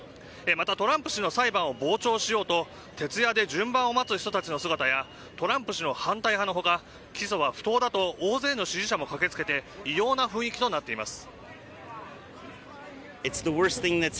トランプ氏の裁判を傍聴しようと徹夜で順番を待つ人たちの姿やトランプ氏の反対派の他起訴は不当だと大勢の支持者も駆け付けて異様な雰囲気となっています。